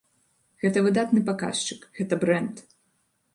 Гэта выдатны паказчык, гэта брэнд.